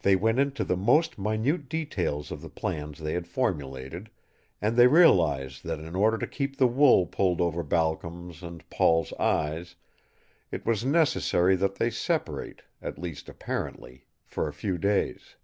They went into the most minute details of the plans they had formulated, and they realized that in order to keep the wool pulled over Balcom's and Paul's eyes it was necessary that they separate, at least apparently, for a few days.